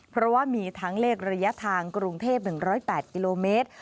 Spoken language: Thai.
เพราะว่ามีทั้งเลขระยะทางกรุงเทพ๑๐๘กิโลเมตร